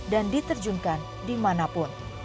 dan diterjunkan dimanapun